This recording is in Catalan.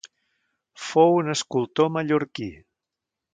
Fou un escultor mallorquí.